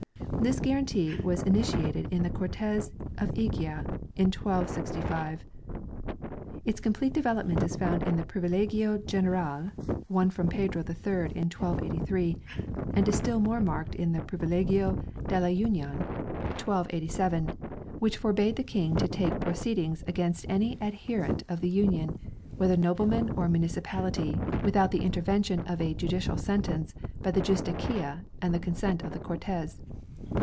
This guarantee was initiated in the Cortes of Egea in 1265. Its complete development is found in the " Privilegio General" won from Pedro III in 1283 and is still more marked in the " Privilegio de la 2 4 o MAGNA CARTA AND Union" (1287) which forbade the King to take pro ceedings against any adherent of the Union, whether nobleman or municipality, without the intervention of a judicial sentence by the u justicia" and the con sent of the Cortes.